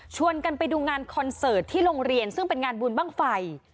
กันไปดูงานคอนเสิร์ตที่โรงเรียนซึ่งเป็นงานบุญบ้างไฟ